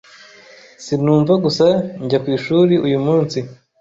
Sinumva gusa njya ku ishuri uyu munsi.